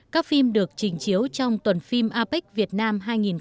các phim được trình chiếu trong tuần phim apec việt nam hai nghìn một mươi chín